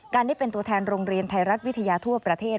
ได้เป็นตัวแทนโรงเรียนไทยรัฐวิทยาทั่วประเทศ